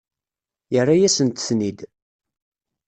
Yerra-yasent-ten-id.